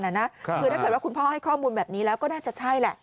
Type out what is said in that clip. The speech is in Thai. ถ้าคือคุณพ่อให้ข้อมูลแบบนี้ก็แน่นักใช่